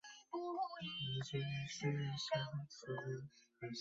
目前在紫盟联赛中为安邦再也羽毛球俱乐部的球员。